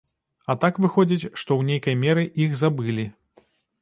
А так выходзіць, што ў нейкай меры іх забылі.